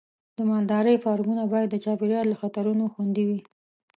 د مالدارۍ فارمونه باید د چاپېریال له خطرونو خوندي وي.